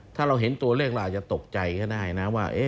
ถ้าเราเห็นตัวเลขเราอาจจะตกใจก็ได้นะว่า